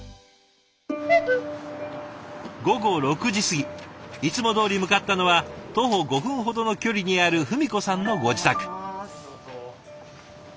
午後６時過ぎいつもどおり向かったのは徒歩５分ほどの距離にある文子さんのご自宅。